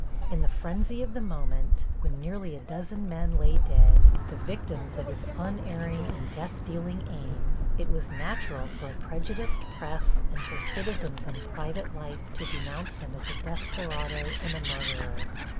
In the frenzy of the moment, when nearly a dozen men lay dead, the victims of his unerring and death dealing aim, it was natural for a prejudiced press and for citizens in private life to denounce him as a desperado and a murderer.